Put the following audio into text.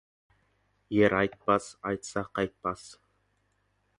Ер айтпас, айтса қайтпас.